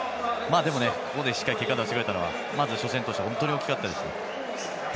ここで結果を出したくれたのはまず初戦としては本当に大きかったです。